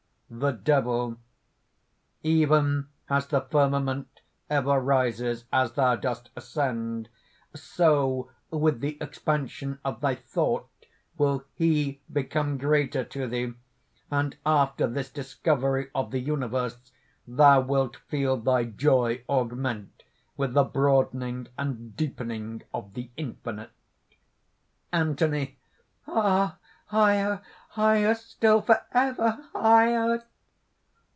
THE DEVIL. "Even as the firmament ever rises as thou dost ascend, so with the expansion of thy thought will He become greater to thee; and after this discovery of the universe thou wilt feel thy joy augment with the broadening and deepening of the infinite." ANTHONY. "Ah! higher! higher still! forever higher!"